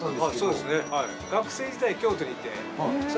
そうですね。